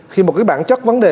khi một bản chất vấn đề